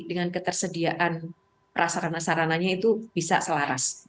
perasaan perasaanannya itu bisa selaras